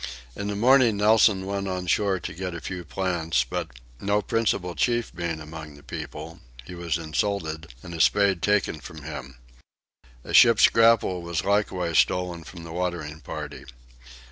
In the morning Nelson went on shore to get a few plants but, no principal chief being among the people, he was insulted, and a spade taken from him. A boat's grapnel was likewise stolen from the watering party.